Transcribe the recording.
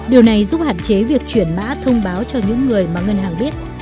điều này giúp hạn chế việc chuyển mã thông báo cho những người mà ngân hàng biết